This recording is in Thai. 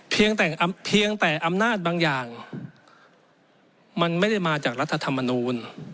เพียงแต่อำนาจบางอย่างมันไม่ได้มาจากรัฐธรรมนูล